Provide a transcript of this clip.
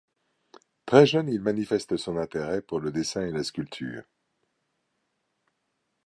Très jeune il manifeste son intérêt pour le dessin et la sculpture.